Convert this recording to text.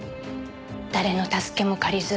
誰の助けも借りず